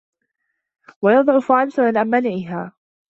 وَيَضْعُفُ عَنْ مَنْعِهَا